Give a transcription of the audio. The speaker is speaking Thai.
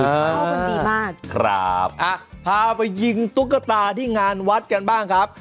เขากันดีมากครับอ่ะพาไปยิงตุ๊กตาที่งานวัดกันบ้างครับ